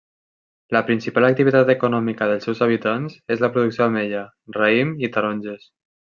La principal activitat econòmica dels seus habitants és la producció d'ametlla, raïm i taronges.